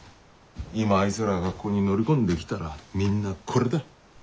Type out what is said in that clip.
今あいつらがここに乗り込んできたらみんなこれだ。